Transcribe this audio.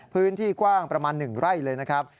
พื้นที่กว้างประมาณ๑ไร่เลยนะครับ